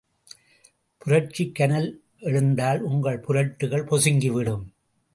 புரட்சிக்கனல் எழுந்தால் உங்கள் புரட்டுகள் பொசுங்கி விடும்.